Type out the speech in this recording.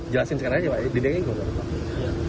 jelasin sekarang aja pak di dki gimana